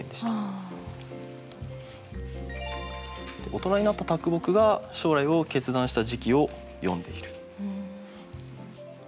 大人になった木が将来を決断した時期を詠んでいる。